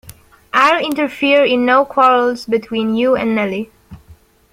I’ll interfere in no quarrels between you and Nelly.